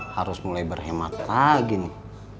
harus mulai berhemat lagi nih